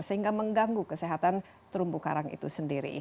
sehingga mengganggu kesehatan terumbu karang itu sendiri